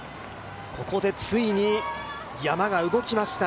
ここでついに山が動きました。